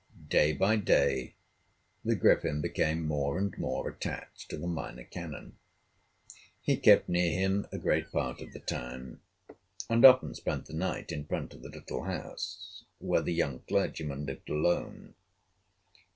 Day by day the Griffin became more and more attached to the Minor Canon. He kept near him a great part of the time, and often spent the night in front of the little house where the young clergyman lived alone.